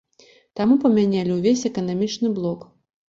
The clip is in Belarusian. Таму памянялі ўвесь эканамічны блок.